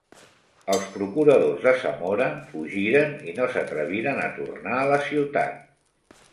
Els procuradors de Zamora fugiren i no s'atreviren a tornar a la ciutat.